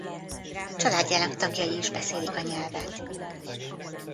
Családjának tagjai is beszélik a nyelvet.